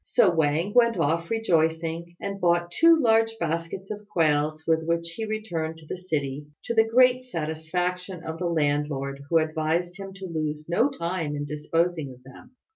So Wang went off rejoicing, and bought two large baskets of quails, with which he returned to the city, to the great satisfaction of the landlord who advised him to lose no time in disposing of them.